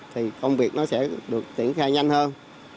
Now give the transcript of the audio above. thì công việc nó sẽ được triển khai nhanh hơn